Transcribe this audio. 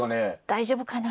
大丈夫かな。